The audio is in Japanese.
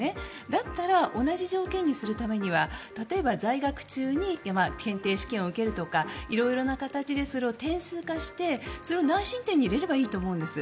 だったら同じ条件にするためには例えば、在学中に検定試験を受けるとか色々な形でそれを点数化して内申点に入れればいいと思うんです。